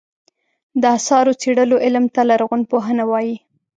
د اثارو څېړلو علم ته لرغونپوهنه وایې.